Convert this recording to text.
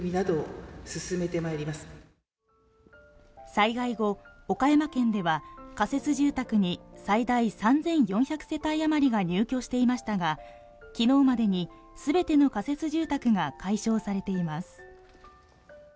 災害後、岡山県では仮設住宅に最大３４００世帯余りが入居していましたが、昨日までに全ての仮設住宅が解消されています。